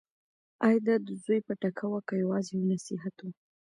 ایا دا د زوی پټکه وه که یوازې یو نصیحت و؟